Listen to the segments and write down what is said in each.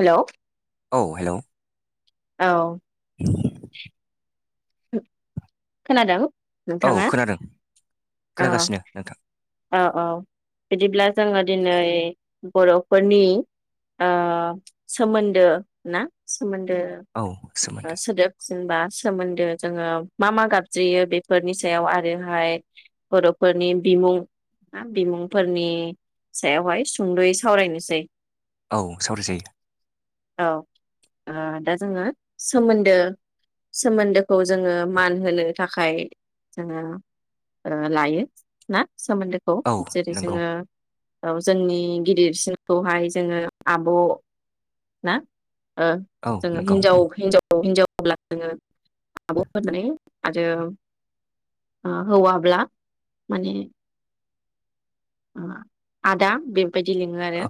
Hello औ hello औ [inaudible] खोनादों औ नोंथाङा खोनादों औ खोनागासिनो नोंथां औ औ बिदिब्ला जोङो दिनै बर'फोरनि ओ सोमोन्दो ना सोमोन्दो औ ओ सोमोन्दो सोदोब जेनेबा सोमोन्दो जोङो मा मा गाबज्रियो बेफोरनि सायाव आरोहाय बर'फोरनि बिमुं बिमुंफोरनि सायावहाय सुंद'यै सावरायनोसै औ सावराय जायो औ ओ दा जोङो सोमोन्दो सोमोन्दोखौ जोङो मान होनो थाखाय जोङो लायो ना सोमोन्दोखौ औ जेरै नंगौ जोङो औ जोंनि गिदिरसिनखौहाय जोङो आब' ना ओ औ जोङो नंगौ हिनजाव हिनजाव हिनजावब्ला जोङो आब' होनानै आरो हौवाब्ला माने आदा बि बिदि लिङो आरो औ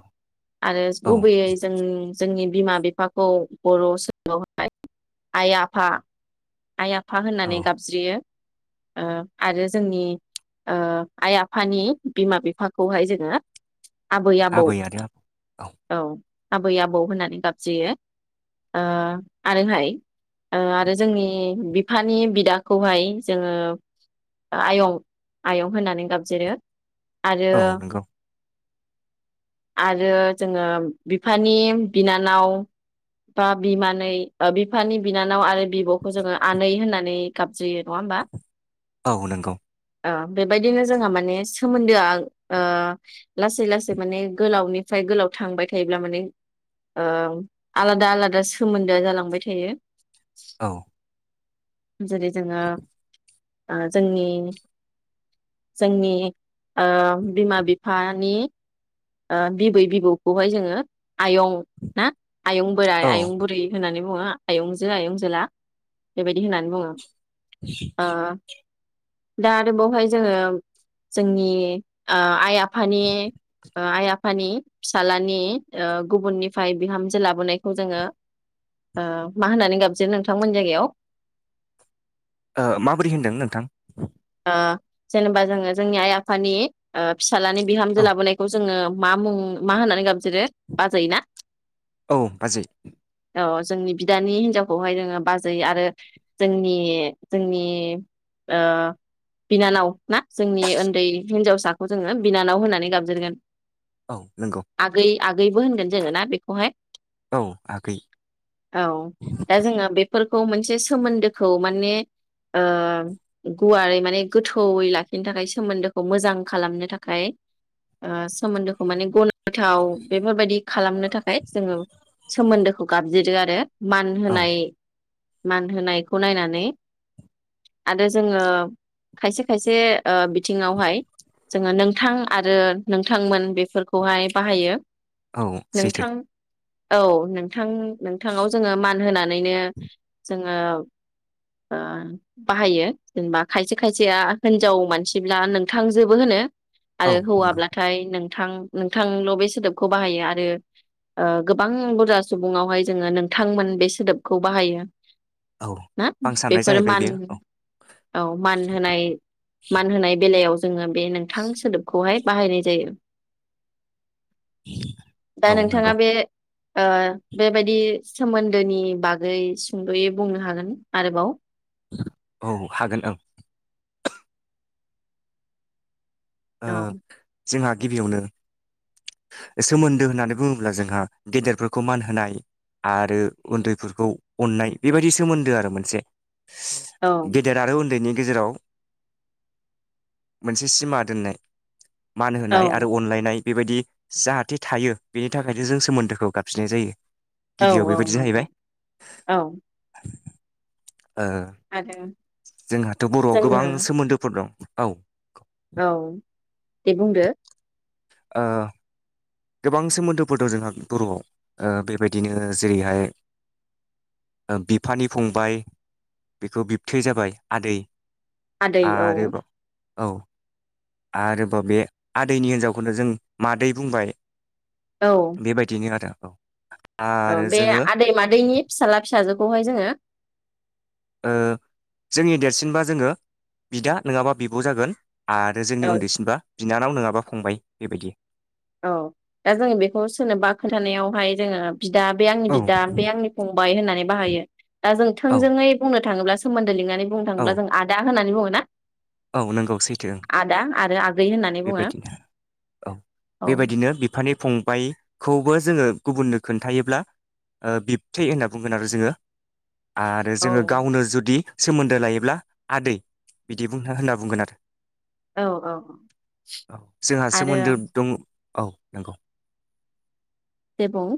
आरो औ गुबैयै जोंनि जोंनि बिमा बिफाखौ बर' [unintelligible] आइ आफा आइ आफा औ होननानै गाबज्रियो ओ आरो जोंनि ओ आइ आफानि बिमा बिफाखौहाय जोङो आबै आबौ औ आबै आबौ होननानै गाबज्रियो ओ आरोहाय ओ आरो जोंनि बिफानि बिदाखौहाय जोङो आयं आयं होननानै गाबज्रियो आरो औ नंगौ आरो जोङो बिफानि बिनानाव बा बिमानै बिफानि बिनानाव आरो बिब'खौ जोङो आनै होननानै गाबज्रियो नङा होमबा औ नंगौ ओ बेबायदिनो जोंहा माने सोमोन्दोआ ओ लासै लासै माने गोलावनिफ्राय गोलाव थांबाय थायोब्ला माने ओ आलादा आलादा सोमोन्दोआ जालांबाय थायो [inaudible] जेरै जोङो ओ जोंनि जोंनि ओ बिमा बिफानि ओ बिबै बिबौखौहाय जोङो आयं ना आयं बोराइ औ आयं बुरै होननानै बुं बुङो आयंजो आयंजोला बेबायदि होननानै बुङो ओ दा आरो बावहाय जोङो जोंनि ओ आइ आफानि ओ‌ आइ आफानि फिसालानि ओ गुबुननिफाय बिहामजो लाबोनायखौ जोङो ओ मा होननानै गाबज्रि नोंथांमोननि जायगायाव? ओ माबोरै होनदों नोंथां? ओ जेनेबा जोङो जोंनि आइ आफानि ओ फि सालाननि औ बिहामजो लााबोनाय जोङो मा मुं मा होननानै गाबज्रियो बाजै ना औ बाजै औ जोंनि बिदानि हिनजावखौहाय जोङो बाजै आरो जोंनि जोंनि ओ बिनानाव ना जोंनि ओन्दै हिनजावसाखौ जोङो बिनानाव होननानै गाबज्रिगोन औ नंगौ आगै आगैबो होनगोन जोङो ना बेखौहाय औ आगै औ दा जोंहा बे फोरखौ मोनसे सोमोन्दोखौ माने ओ गुवारै माने गोथौयै लाखिनो थाखाय सोमोन्दोखौ मोजां खालामनो थाखाय ओ सोमोन्दोखौ माने ग गोथाव बेफोरबायदि खालामनो थाखाय जोङो सोमोन्दोखौ गाबज्रियो आरो मान औ होनाय मान होनायखौ नायनानै आरो जोङो खायसे खायसे ओ बिथिङावहाय जोङो नोंथां आरो नोंथांमोन बेफोरखौहाय बाहायो औ सैथो नोंथां औ नोंथां नोंथाङाव जोङो मान होनानैनो जोङो ओ बाहायो जेनेबा खायसे खायसेया हिनजाव मानसिब्ला नोंथांजोबो होनो औ आरो नंगौ हौवाब्लाथाय नोंथां नोंथांल' बे सोदोबखौ बाहायो आरो ओ गोबां बुरजा सुबुङावहाय जोङो नोंथांमोन बे सोदोबखौ बाहायो औ ना आं साननाय बेफोर जाहैबाय मान बेयो औ औ मान होनाय मान होनाय बेलायाव जोङो बे नोंथां सोदोबखौहाय बाहायनाय जायो। दा औ नंगौ नोंथाङा बे ओ बेबायदि सोमोन्दोनि बागै सुंद'यै बुंनो हागोन आरोबाव औ हागोन ओं ओ औ जोंहा गिबियावनो सोमोन्दो होननानै बुङोब्ला जोंहा गेदेरफोरखौ मान होनाय आरो उन्दैफोरखौ अननाय बेबायदि सोमोन्दो आरो मोनसे औ गेदेर आरो उन्दैनि गेजेराव मोनसे सिमा दोननाय मान होनाय औ आरो अनलायनाय बेबायदि जाहाथे थायो बेनि थाखायनो जों सोमोन्दोखौ गाबज्रिनाय जायो। औ गिबियाव औ बेबायदि नंगौ जाहैबाय औ ओ आरो जोंहाथ' बर'आव गोबां जोङो सोमोन्दोफोर दं औ औ दे बुंदो ओ गोबां सोमोन्दोफोर दं जोंहा बर'आव ओ बेबायदिनो जेरैहाय बिफानि फंबाय बेखौ बिबथै जाबाय आदै आदै औ आरोबाव औ आरोबाव बे आदैनि हिनजावखौनो जों मादै बुंबाय औ बेबायदिनो आरो औ [unintelligible] औ बे जोङो आदै मादैनि फिसाला फिसाजो बेवहाय जोङो ओ जोंनि देरसिनबा जोङो बिदा नोङाबा बिब' जागोन आरो जोंनि औ उन्दैसिनबा बिनानाव नोङाबा फंबाय बेबायदि औ दा जोङो बेखौ सोरनोबा खोन्थानायावहाय जोङो बिदा बे आंनि औ बिदा बे आं थाङोब्ला औ सोमोन दो लिंनानै बुंनो औ थाङोब्ला जों आदा होननानै बुङो ना औ नंगौ सैथो आदा आरो आगै होननानै बुङो बेबायदिनो औ औ बेबायदिनो बि फानि फंबायखौबो जोङो गुबुननो खोन्थायोब्ला बिबथै होनना बुंगोन आरो जोङो आरो जोङो औ गावनो जुदि सोमोन्दो लायोब्ला आदै बिदि बुं हा होनना बुंगोन आरो औ [inaudible] औ जोंहा आरो सोमोन्दो दङ औ नंगौ दे बुं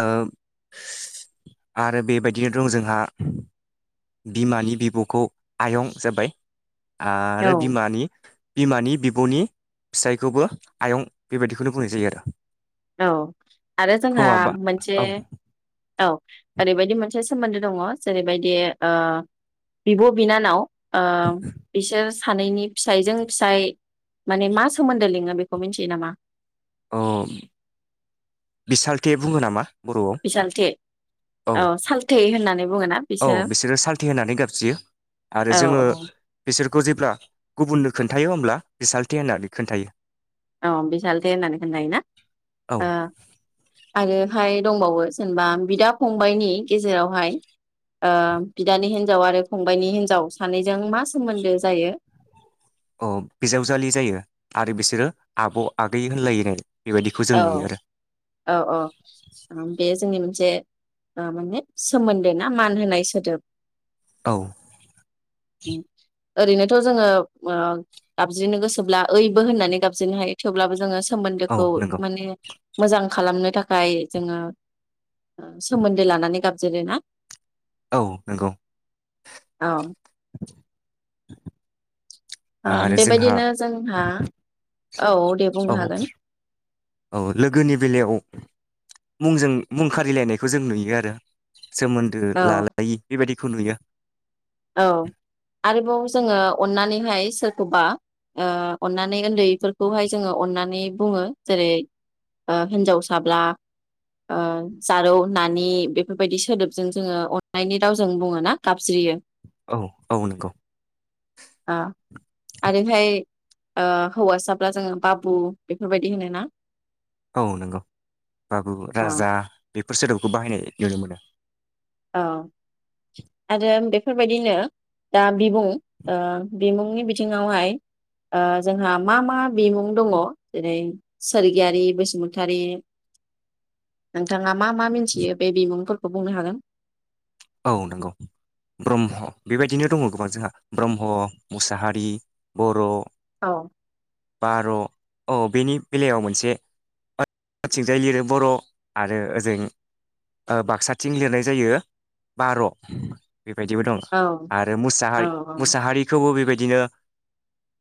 ओ आरो बेबायदिनो दं जोंहा बिमानि बिब'खौ आयं जाबाय औ आरो बिमानि बिमानि बिब'नि फिसायखौबो आयं बेबायदिखौनो बुंनाय जायो आरो औ आरो जोंहा हौवाबा मोन से औ औ ओरैबायदि मोनसे मोनसे सोमोन्दो दङ जेरैबायदि ओ बिब' बिनानाव ओ बिसोर सानैनि फिसाइजों फिसाय माने मा सोमोन्दो लिङो बेखौ मिथियो नामा? अ बिसालथे बुङो नामा? बर'आव बिसालथे औ सालथे होननानै बुङोना औ बिसोरो सालथे होनानै गाबज्रियो आरो औ जोङो औ बिसोरखौ जेब्ला गुबुननो खोन्थायो होमब्ला बिसालथे होननानै खोन्थायो औ बि सालथे होननानै होना खोन्थायोना औ ओ आरो हाय दंबावो जेनेबा बिदा फंबाइनि गेजेरावहाय ओ बिदानि हिनजाव आरो फंबायनि हिनजाव सानैजों मा सोमोन्दो जायो? अ बिजावजालि जायो आरो बिसोरो आब' आगै होनलायोनो औ औ औ बे जोंनि मोन से माने सोमोन्दो ना मान होनाय सोदोब औ ओरैनोथ' जोङो ओ गाबज्रिनो गोसोब्ला ओइबो होननानै गाबज्रिनो हायो थेवब्लाबो जोङो औ सोमोन्दोखौ नंगौ माने मोजां खालामनो थाखाय जोङो ओ सोमोन्दो लानानै गाबजिरो ना। औ नंगौ औ [inaudible] ओ आरो जोंहा बेबायदिनो जोंहा औ दे बुंनो औ हागोन औ लोगोनि बेलायाव मुंजों मुं खारिलायनायखौ जों नुयो आरो सोमोन्दो औ लालायि बेबायदि बेखौ नुयो औ आरोबाव जोङो अननानैहाय सोरखौबा ओ अननानै उन्दैफोरखौहाय जोङो अननानै बुङो जेरै ओ हिन्जावसाब्ला ओ जारौ नानि बेफोरबायदि सोदोबजों जोङो अन्नायनि रावजों बुङो ना गाबज्रियो। औ औ नंगौ ओ आरोहाय ओ हौवासाब्ला जोङो बाबु बेफोरबायदि होनो ना? औ नंगौ बाबु औ राजा बे फोर सोदोबखौ बाहायनाय नुनो मोनो। औ आरो बेफोरबायदिनो दा बिमुं ओ बिमुंनि बिथिङावहाय ओ जोंहा मा मा बिमुं दङ जेरै सोरगियारि बसुमतारि नोंथाङा मा मा मिथियो बे बिमुंफोरखौ बुंनो हागोन? औ नंगौ ब्रह्म बेबायदिनो दङ गोबां जोंहा ब्रह्म मुसाहारि बर' औ बार' अ बेनि बेलायाव मोनसे ओथिंजाय [unintelligible] लिरो बर' आरो ओजों ओ बाक्साथिं लिरनाय जायो बार' बे बायदिबो दं औ आरो औ मुसाहारि मुसाहारिखौबो बेबाय बिदिनो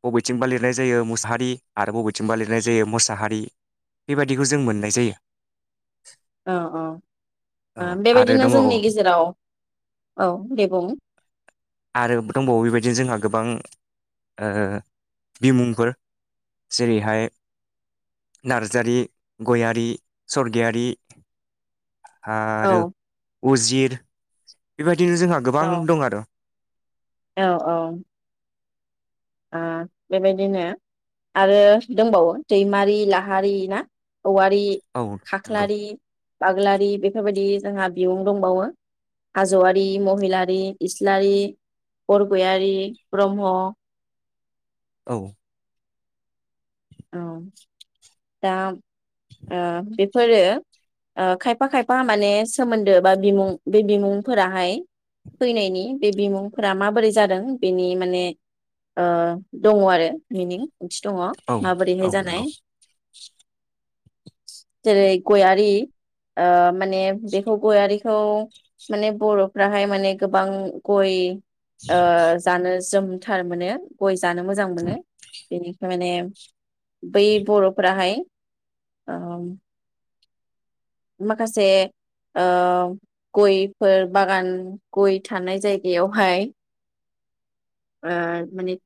बबेथिंबा लिरनाय जायो मुसाहारि आरो बबेथिंबा लिरनाय जायो मोसाहारि बेबायदिखौ जों मोननाय जायो औ औ ओ औ आरो बेबायदिनो दङ जोंनि गेजेराव औ दे बुं आरो दंबावो बेबायदिनो जोंहा गोबां बिमुंफोर जेरैहाय नारजारि, गयारि, सरगियारि औ आरो उजिर बिबाय दिनो जोंहा गोबां औ दं आरो औ औ ओ बेबायदिनो आरो दंबावो दैमारि लाहारि ना औवारि, औ नंगौ खाख्लारि बाग्लारि बेफोरबायदि जोंहा बिमुं दंबावो हाज'वारि, महिलारि, इसलारि, बरगयारि, ब्रह्म औ औ दा ओ बेफोरो ओ खायफा खायफा माने सोमोन्दो बा बिमुं बे बिमुंफोराहाय फैनायनि बे बिमुंफोरा माबोरै जादों बेनि माने ओ दङ आरो मिनिं ओंथि दङ औ माबोरैहाय औ जानाय नंगौ जेरै गयारि ओ माने बेखौ गयारिखौ बर'फ्राहाय मानो गोबां गय ओ जानो जोम [unintelligible] जानो मोजां मोनो बेनि थाखायनो [inaudible] ओ माखासे ओ गयफोर बागान गय थानाय जायगायावहाय ओ माने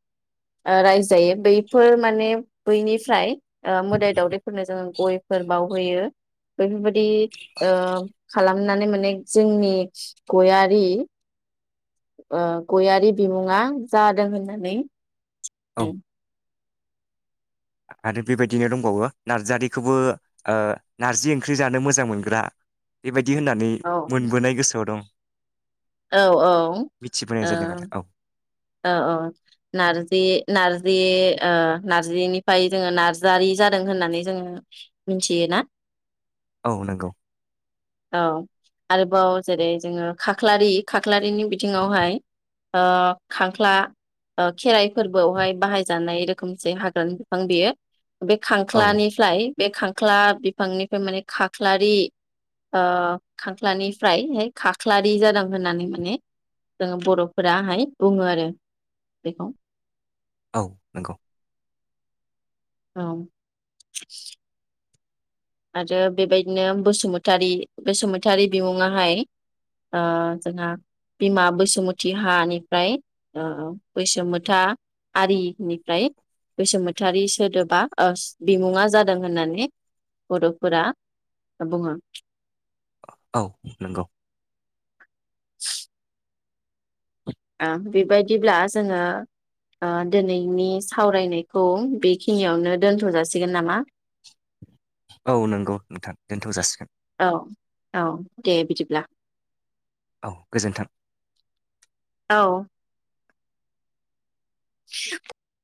रायजो जायो बैफोर माने बैनिफ्राय ओ गयफोर बावहोयो बैफोर बायदि ओ नानै माने जोंनि गयारि ओ गयारि बिमुङा जादों होननानै औ [unintelligible] आरो बेबायदिनो दंबावो नारजारिखौबो नारजि ओंख्रि जानो मोजां मोनग्रा बेबायदि होननानै औ मोनबोनाय गोसोआव दं औ औ मिथिबोनाय जादों ओ आरो औ औ औ नारजि नारजि ओ नारजिनिफ्राय जोङो नारजारि जादों होननानै जोङो मिनथियो ना औ नंगौ औ आरोबाव जेरै जोङो खाख्लारि खाख्लारिनि बिथिङावहाय ओ खांख्ला ओ खेराइ फोरबोआवहाय बाहायजानाय रोखोमसे हाग्रानि बिफां बेयो बे औ खांख्लानिफ्लाय बे खां खांख्ला बिफांनिफ्राय माने खाख्लारि ओ खांख्लानिफ्रायहाय खाख्लारि जादों होननानै माने जोंङो बर' फोराहाय बुंङो आरो बेखौ औ नंगौ औ [unintelligible] आरो बेबायदिनो बसुमतारि बसुमतारि बिमुंङाहाय ओ जोंहा बिमा बैसुमति हानिफ्राय ओ बैसुमथा आरिनिफ्राय बैसुमतारि सोदोबा ओ बिमुंङा जादों होननानै बर'फोरा बुंङो औ नंगौ ओ बेबायदिब्ला जोंङो ओ दोनैनि सावरायनाय खौ बेखिनियावनो दोनथ'जासि गोन नामा औ नंगौ नोंथां दोनथ'जासिगोन औ औ दे बिदिब्ला औ गोजोन्थों औ [inaudible]